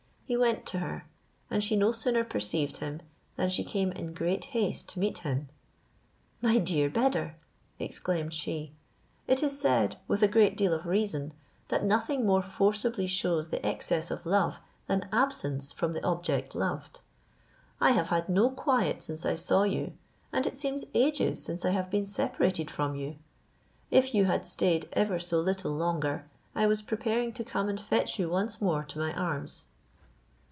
He went to her, and she no sooner perceived him, than she came in great haste to meet him. "My dear Beder!" exclaimed she, "it is said, with a great deal of reason, that nothing more forcibly shews the excess of love than absence from the object beloved. I have had no quiet since I saw you, and it seems ages since I have been separated from you. If you had stayed ever so little longer, I was preparing to come and fetch you once more to my arms."